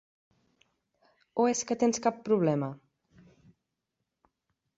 O és que tens cap problema?